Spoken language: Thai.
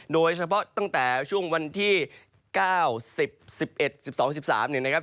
โดยเฉพาะตั้งแต่ช่วงวันที่๙๑๑๑๑๒๑๓เนี่ยนะครับ